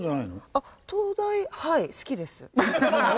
あっ灯台はい好きです。